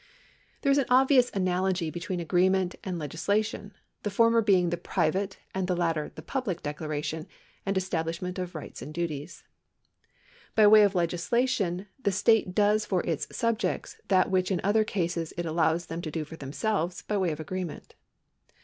^ There is an obvious analogy between agreement and legis lation— the former being the private and the latter the public declaration and establishment of rights and duties. By way 1 Summa, 2. 2. q. 57. art. 2. § 122] TITLES ti{)7 of legislation the state does for its subjects that which in other cases it allows them to do for themselves by way of agree ment.